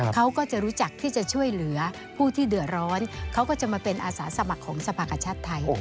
เขาก็จะรู้จักที่จะช่วยเหลือผู้ที่เดือดร้อนเขาก็จะมาเป็นอาสาสมัครของสภากชาติไทย